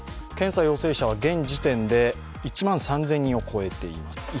検査陽性者は現時点で１万３０００人を超えています。